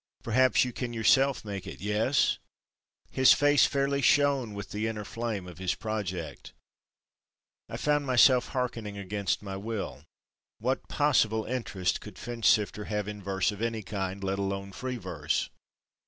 Perhaps you can yourself make it? Yes?" His face fairly shone with the inner flame of his project. I found myself harkening against my will. What possible interest could Finchsifter have in verse of any kind—let alone free verse.